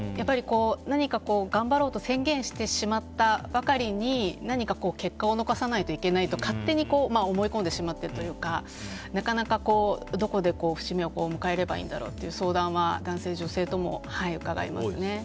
何か頑張ろうと宣言してしまったばかりに何か結果を残さないといけないと勝手に思い込んでしまっているというかなかなかどこで節目を迎えればいいんだろうという相談は男性、女性とも伺いますね。